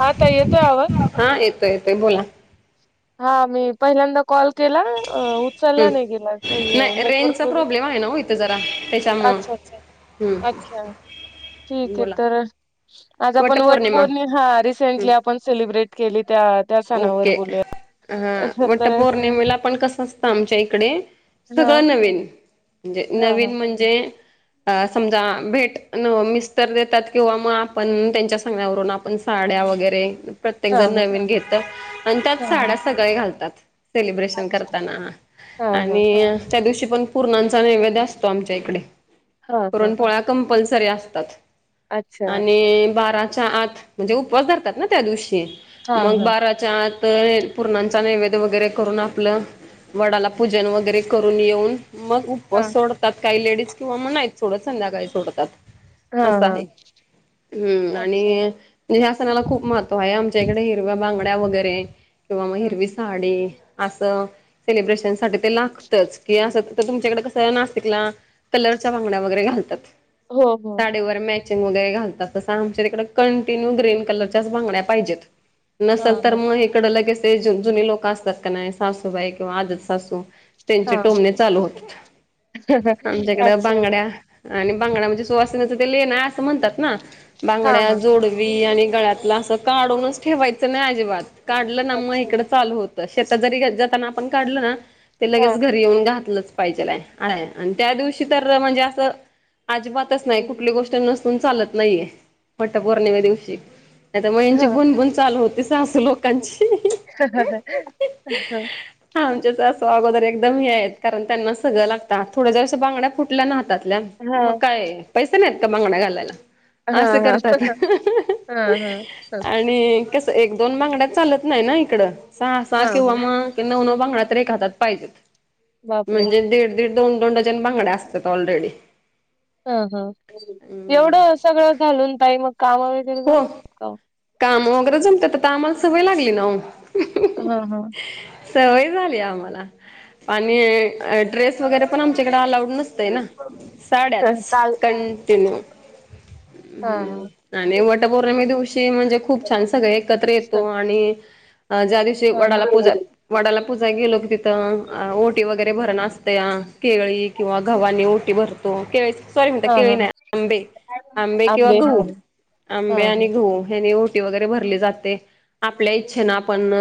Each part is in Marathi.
हा ताई येतो आवाज? हा येतोय येतोय बोला. हा मी पहिल्यांदा. कॉल केला उचलला हम्म नाही गेला, काही नाही नेटवर्क रेंजचा वरेच. प्रॉब्लेम आहे ना हो इथं जरा त्याच्यामुळं कस. हम्म हम्. ठीक आहे तर. आज आपण वटपौर्णिमा ह रिसेंटली आपण सेलिब्रेट केली त्यात. त्या सणावर बोलूया. ह तर वटपौर्णिमेला पण कसं असतं आमच्या इकडे हा सगळं नवीन. म्हणजे हा हा नवीन म्हणजे. अ समजा भेट मिस्तर देतात, किंवा मग आपण त्यांच्या सांगण्यावरून. पण साड्या वगैरे प्रत्येक हा जण हा नवीन घेत, आणि त्यात हा साड्या हा सगळे घालतात. सेलिब्रेशन अच्छा करताना हा हा हा आणि. त्या दिवशी पण पूर्णांचा नैवेद असतो आमच्या इकडे, हा हा पुरण पोळ्या. कंपल्सरी असतात अच्छा आणि बाराच्या आत. म्हणजे उपवास धरतात ना त्या दिवशी हा मग बारा. हा बाराचा आता पूर्णांचा नैवेद वगैरे करून आपलं. वडाला पूजन वगैरे करून येऊन मग. हा उपवास सोडतात काही लेडीज, किंवा मग नाहीच सोडत संध्याकाळी सोडतात. हा असं हा आहे, हम्म अच्छा आणि. म्हणजे या सनाला खूप महत्व आहे आमच्या इकडे, हिरव्या बांगड्या वगैरे, किंवा मग हा हिरवी हा. साडी. असं सेलिब्रेशनसाठी ते लागतच कि असं. तुमच्याकडे कस नाशिक ला कलरच्या भांगड्या वगैरे घालतात हो हो साडीवर. वगर घालतात तस आमच्या तिकडे कंटिन्यू ग्रीन कलरच्याच बांड्या पाहिजेते. हा नसल तर हा मग इकडं लगेच जुनी लोक असतात का, नाही सासूबाई किंवा आजी सासू. हा त्यांचे टोमने चालू होतात आमच्याकड अच्छा बांगड्या. आणि बांगड्या म्हणजे सुवासिनेच ते लेन असं म्हणतात ना हा बांगड्या हा जोडवी. वी आणि गळ्यातला असं काढूनच ठेवायचं नाही अजिबात, काढलं ना मग अच्छा इकडं चालू होत. शेतात जरी जाताना आपण काढलं ना, ते हा लगेच घरी येऊन घातलच. हिे त्या दिवशी तर म्हणजे अस अजिबातच नाही हम्म, हम्म. कुठली गोष्ट नसून. नसून चालत नाहीये वटपौर्णिमा दिवशी नाहीतर हिंची हा बुणबुन चालू होते सहास लोक. कंची. हा हा आमच्याच असं अगोदर एकदम हे आहेत, कारण त्यांना सगळं लातात थोड्या ज्याशा बगड्या फट. फूटल्या ना हातातल्या हा मग काय पैसा नाहीत का बांगण्या घालायला. हा असं हा करतात हा आणि. कसं एक दोन बांगड्या चालत नाही ना इकडं, सहा सहा हा किंवा हा मग.. नऊ नऊ बांगडा तर एक हातात पाहिजेत, बापरे म्हणजे दीड. दोन दोन डजन बांगडे असतात ऑलरेडी. हा हा एवढं सगळं घालून ताई मग काम. हो जम काम वगैरे जमतात तर आम्हाला सवय लागली ना. हा हा. सवय झाली आम्हाला, आणि ड्रेस वगैरे पण आमच्याकडे अलाउड. नसतय ना, साड्याच चाल कंटिन्यू. हा हा. हम्म आणि वटपौर्णिमा दिवशी म्हणजे. खूप छान सगळे एकत्र येतो आणि ज्या दिवशी हा वडाला पूजा. वडाला पूजा गेलो. तर ओटी वगैरे भरण असते या केळी किंवा घवनी ओटी भरन केवाय सॉरी म्हणता केवा हा नाही आंबे आंबे केव्हा गहू. हा आंबे आणि गहू हनी ओटी वगैरे भरली जाते आपल्या इच्छेन आपण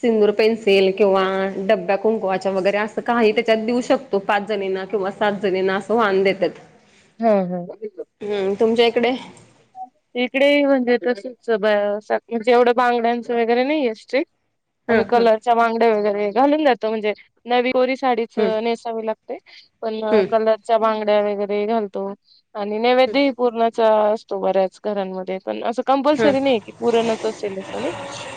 सिन्दुर पेन्सिल किंवा डब्या कुंकुवाच्या वगैरे असं काही त्याच्यात देऊ शकत. तो पाच जणीना किंवा सात जणीना असं वान देतात हा हा.. हम्म. तुमच्या इकडे? इकडे म्हणजे तसच म्हणजे एवढं बांगड्यांचं वगैरे नाही अस्ट्रिक हा आम्ही हा कलरच्या वांगड वगैरे घालून जातो म्हणजे नवीोरी साडीच हम्म ने पण हम्म कलरच्या बगड्या वरे घालतो आणि नैवेद्य. पुरणाचा असतो बऱ्याच घरांमध्ये पण अस हम्म कंपल्सरी नाही की परणच असेल अस नाही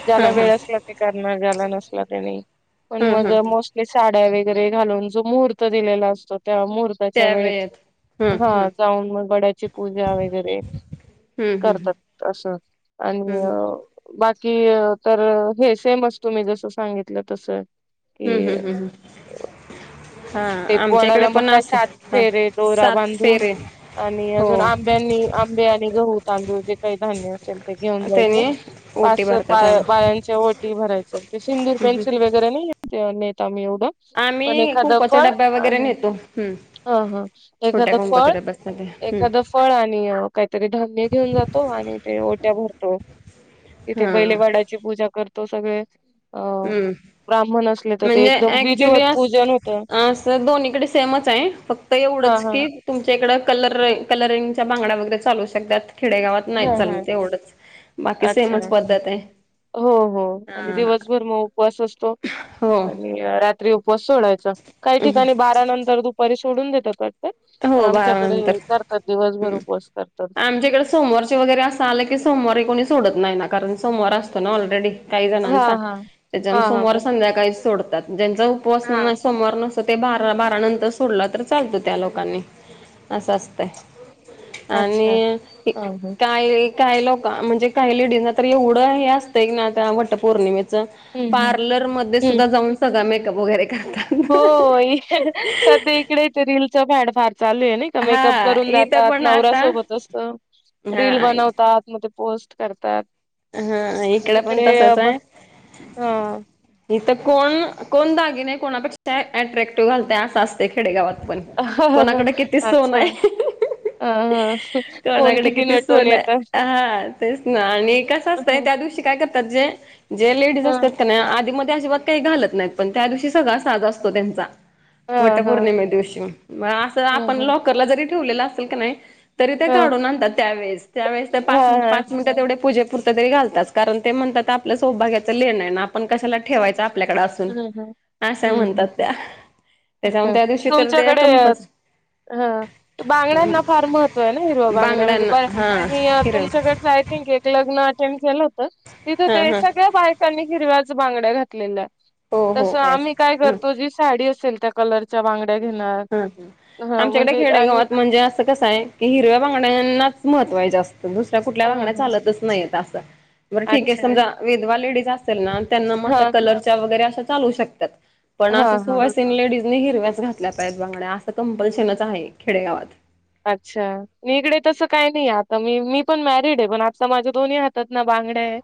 ज्याला हम्म हम्म वेळ असला गला नसला त्यानी पण हम्म हम्म मग हम्म मोस्ट साड्या वगैरे घालून जो मुहूर्त दिलेला असतो त्या मूर्त त्याच्या त्या वेळेत हम्म हम्म हा जाऊन मग वड्याची पुजा वगैरे हम्म हम्म करतात अस आणि. बाकी तर हे सेम असत मी जस सांगितलं तस हम्म हम्म हम्म हम्म. हा तेे आमच्याकडे वाडाला मग पण काय साथ असत हा फेरे दोरा सात बांधून. फेरे आणि हो अजून आंब्यांनी आंबे आणि गहू तांदूळ जे काही धान्य असेल ते घेऊन त्याने जायचं पाच ओटी स पा भरतात हा हम्म. बाळच्या ओटी भरायचं ते सिंदूर पेन्सिल वे वगैरे नाही नता मी एवढं पण आम्ही एखादं कुंकवाचा फळ डब्बा वगैरे आणि नेतो हम्म हा हा छोट्या एखादं फळ कुंकवाच्या डब्यात मध्ये एखादं हम्म फळ आणि काहीतरी धान्य घेऊन जातो आणि ते ओट्या भरतो तिथे हा पहिले वाडाची पूजा करतो सगळे. अ हम्म ब्राह्मण असले तर ते म्हणजे एकदम विधिवत पूजन होतं. तर दोन्हीकडे सेमच आहे फक्त हा एवढंच हा की. तुमच्या इकडं कलर कलरिंगच्या बांगडा वगैरे चालू शकतात. खेडेगावात नाहीत हा चालून हा ते एवढंच बाकी अच्छा. सेमच पद्धत आहे. हो हो आणि दिवसभर मग उपवास असतो हो आणि रात्री उपवास सोडायचा काही ठिकाणी बारा नंतर तू पारी सोडून देतात कट्ट हो आमच्याकडे बाळानंतर करतात दिवसभर हम्म उपवास करतात. आमच्याकडे सोमवारचे वगैरे असं आलं की सोमवारी कोणी सोडत नाही ना कारण सोमवार असतो ना ऑलरेडी काही जणांचा हां, हां. त्याच्या हां, हां. सोमवार मग संध्याकाळी सोडतात ज्यांचा उपवास हां. सोमवार न. ते बारा बारा नंतर सोडलं तर चालतो त्या लोकांनी असं असतंय अच्छा. आणि हां, हां. काय काही लोक म्हणजे काही लेडीज ना तर एवढं हे असतंय ना त्या वटपौर्णिमेचं हं, हं. पार्लरमध्ये हं. सुद्धा जाऊन सगळळा मेकअप वगैरे करतात. हो सध्या इकडे ते रीलीलचं भॅड फार चालू आहे ना. मेकअप हा करून इथं दातात पण नवऱ्या आता सोबत असत हा रील बनवतात म पोस्ट करतात हा पण इकडे तसच आहे. हा. इथं कोण कोण दागिने कोणापेक्षा अट्रॅक्टिव्ह घालतय असं असते खेडेगावात पण. कोणाकडे किती सोन अच्छा. आहे. हां, हां. कोण कोणाकडे किती नटून सोन येत आहे हा तेच ना आणि कस. कसं ह असतय ह त्या दिवशी काय करतात ज जे लेटज असतात नाही आधी मधी अजिबात काही घालत नाहीत पण त्या दिवशी सगळा साज असतो त्यांचा ह ह ह हा हा वटपौर्णिमे दिवशी म असं आपण हम्म लॉकरला जरी ठेवलेलं असेल का नाही तरी ते काढून आणतात त्यावेळेस त्यावेळेस ते पाच पाच मिनिटात तेवढे पूजे तात्पुरतं तरी घालात कारण ते म्हणतात आपलं सोपभाग्याचं लेण आहे ना आपण कशाला ठेवायचं आपल्याकडे असून हम्म असा हम्म म्हणतात त्या त्याच्या हम्म त्या दिवशी तर ते कंपस हा बांगड्यांना फार महत्व आहे ना हिरवा बांगड्या म्हणजे बांगड्यांना बर हा मी हिरव तुमच्याकडच आय थिंक एक लग्न अटेंड केलं होत तिथं हा ते हा सगळ्या बायकांनी हिरव्याच बांगड्या घातलेल्या हो हो तसं येस आम्ही काय हम्म करतो जी साडी असेल त्या कलरच्या बांगड्या घेणार हा हा ह आमच्याकडे म्हणजे आणि खेडेगावात म्हणजे कसय की हिरव्या बागड्यांनाच महत्वां जास्त दुसऱ कुठल्या ह बांगड्या ह चालतच नाही अस ठीक आहे अच्छा समजा विधवा लेटज असे ना हा त्यांना कलर् त्या वगैरे चालू शकतात पण हा असं हा सुहासिनी वगैरे हिरव्याचल्या बांगड्या असं कंपल्शनच आहे खेडेगावात अच्छा मग इकडे तसं काय नाही आता मी मी पण मॅरिड आहे पण आजता माझ्या दोन्ही हातात ना बांगड्या आहे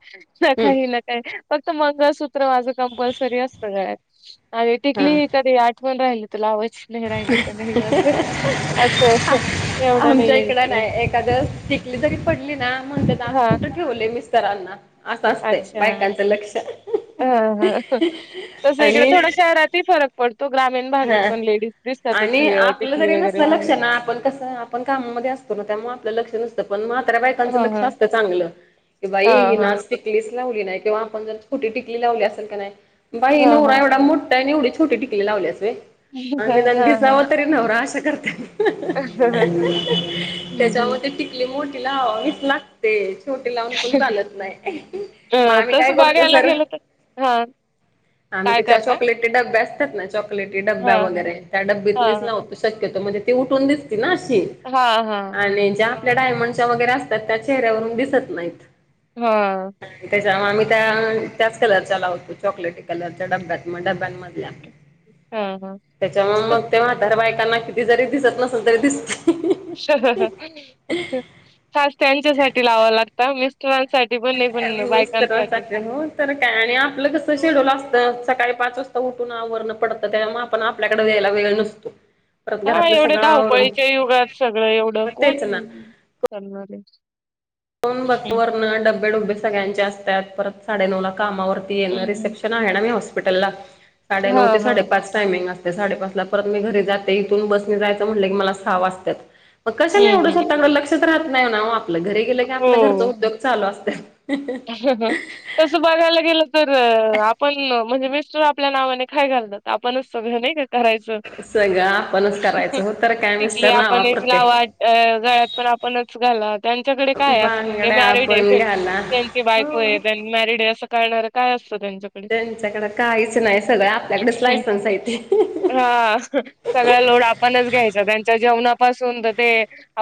न काही हम्म न काही फक्त मंगळसूत्र माझं कंपल्सरी असतं गळ्यात आणि हा. टिकलीेत कधी आठवण राहिल लावाची लहरायली ते नाही अस अस अस असं [inaudible] एवढं आमच्या नाहीये इकडं इकडे नाही एखाद टिकली जरी पडली ना म्हणत ना आज हा कुठं ठेवलय मिस्टरांना असं असतंय अच्छा बायकांचं लक्ष हा हा तस इकडे आणि थोड शहारत फरक पण तो ग्रामीण भागात हा. पण लेडीज दिसतातच आणि आपलं टिकली जरी वगैरे नसलं लक्ष लावले ना आपण कसं आपण कामामध्ये असतो ना त्यामुळे आपलं लक्षण नसतं पण म्हाताऱ्या बाईकांचं हा लक्ष हा असतं चांगलं की बाई हा हीन आज टिकलीच लावली नाही किंवा आपण जर छोटी टिकली लावली असेल का नाही बाई हा नवरा हा एवढा मोठा एवढी छोटी टिकली लावल्यास होय आणि हा हा निदान हा हा. दिसाव तरी नवराअशा करत्या हम्म त्याच्यामध्ये हम्म. टिकली मोठी लावावीच लागते छोटे लावून पण चालत नाही अ, मग आम्ही काय तसं करतो बघायला सरळ गेलं तर हां, आम्ही काय त्याच्या करताय? चॉकलेटी डब्या असतात ना चॉकलेटी डब्या हां, हां. वगैरे त्या डबीतलीच लावतो शक्यतो म्हणजे ते उठून दिसती ना अशी हां, हां. हां, हां. आणि ज्या आपल्या हां. डायमंडच्या वगैरे अस त्या ते चेहऱ्यावरून दिसत नाहीत हा त्याच्यामुळे आम्ही त्या त्याच कलरच्या लावतो चॉकलेटी कलरच्या डब्यात मग डब्यांमधल्या हा हा त्याच्यामुळ मग ते म्हातार बायकांना किती जरी दिसत नसलं तरी दिसतय खास त्यांच्यासाठी लावाव लागत मिस्टरांसाठी [inaudible] बायकांसाठी मिस्टरांसाठी हो तर काय आणि आपलं कस शेड्यूल असतं सकाळी पाच वाजता उठून आवरण पडतं त्यामुळ आपण आपल्याकडे वेळेला वेळ नसतो परत हा घरातलं एवढ्या सगळं आवरून धावपळीच्या युगात सगळं एवढं मग तेच कोणी ना करायचे [inaudible] फोन बक वरणं डबे डबे सगळ्यांचे असत्यात परत साडे नऊ ला कामावरती येणं हं, हं. रिसेप्शन ह ना मी होस्पिटलला साडे नऊ ते हां, साडे हां. पाच टामिंग ते साडेपाच ला परत मी घरी जाते इथून बसनी जायचं म्हटलं की मला सहा वाजत्यात मग कशाला हं, एवढं हं. स्वतःकड लक्षच राहत नाही ना ओ आपलं घरी गेलं की आपल्या घरच हो. उद्योग चालू असत्यातच तसं बघायला गेलं तर आपण म्हणजे मिस्टर आपल्या नावाने खाय घालतात आपणच सगळं नाही का करायचं सगळं आपणच करायचं हो तर काय तिथली मिस्टर नावा आपणच प्रत्येक लावा अ गळ्यात पण आपणच घाला त्यांच्याकडे काय असं कि ते बांगड्या मॅरिड आपण आहे घाला त्यांची बायको हो ये त्यांनी मॅरीडये अस कळणार काय असतं त्यांच्या त्यांच्याकडे काहीच नाही सगळं आपल्याकडेच लायसन्स हाय तेे हह हा सगळा लोड आपणच घ्यायचा त्यांच्या जेवणापासूनच ते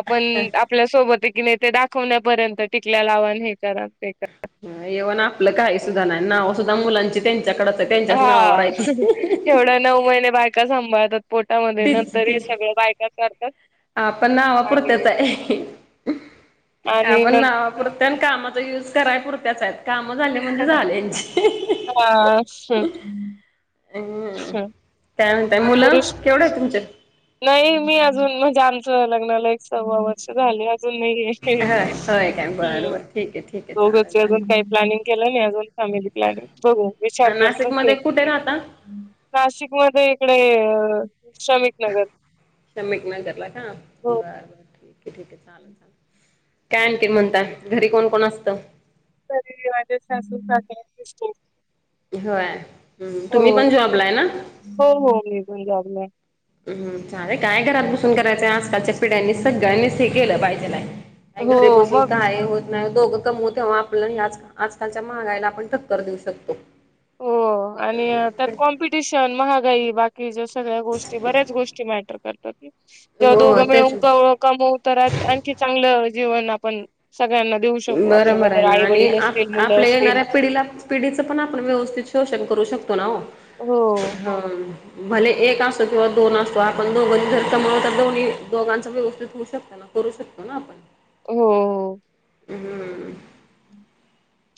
आपण आपल्या सोबत की नाहीे ते दाखवण्यापर्यंत टिकल्या लावा हे करा ते येवणा आपलं काय सुद्धा नाई नाव सुद्धा मुलांची त्यांच्याकडच हाय त्यांच्याच नावावर हाईत तेेवढ्या नऊ महिने बायका सांभाळतात पोटामध्ये तीच नंतर ही की सगळं बायका करतात आपण नावापुरतच आणि आहे आणि आपण नंतर नावापुरत त्या कामाचा यूज कराय पुरत्याच आहेत काम झाले म्हणजे झाले ह्यांची हा [inaudible] काय म्हणताय मुलं पुरुष केवढं आहे तुमचे नाही मी अजून म्हणजे आमचं लग्नाला एक सव्वा वर्ष झाली अजून नाहीये होय होय काय बरं हम् बरं ठीक आहे ठीक आहे दोघच चालेल ये अजून काही चालेल प्लॅनिंग केलं नाही अजून फॅमिली प्लॅनिंग बघू विचार करतच ये नाशिकमध्ये कुठे राहता नाशिक मध्ये इकडे श्रमिक नगर शमिक नगरला का बरं हो बरं ठीक आहे ठीक आहे चालेल चाल काय आणखी म्हणतात घरी कोण कोण असतं घरी माझे सासूू सासरे दिर [inaudible] होय तुम्ही पण जॉबलाय ना हो हो मी पण जॉबला हाय हम् चालेल काय घरात बुसून करायचंय आजकालच्या पिढ्यांनी सगळ्यांनीच हे केलं पाहिजेल हाय नाही हो घरी मग बसून काय होत नाही दोघं कमवत तेव्हा आपल्या आजकालच्या महागाईला आपण टक्कर देऊ शकतो हो आणि त्यात कॉम्पिटिशन महागाई बाकी किच्या सगळ्या गोष्टी बऱ्याच गोष्टी मॅटर करत तात जेव्हा दोघ हो तेच मिळून कमवू होत राह आणखी चांगलं जीवन आपण सगळ्यांना देऊ शकू आपले बरोबर आहे वदर ना आई आणि वडील असतील, मुलं आपल्या असतील. येणाऱ्या पिढीला पिढीचं पण आपण व्यवस्थित शोषण करू शकतो ना ओ हो हम भले एक असतो किंवा दोन असतो आपण दोघ जर सम तर दोन्ही दोघांच व्यवस्थित होऊ शकत करू शकतो ना आपण हो हम्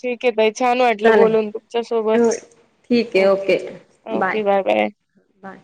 ठीक आहे तई छान वाटलं चालेल बोलून हो, तुमच्यासोबत ठीक आहे okay okay bye bye bye.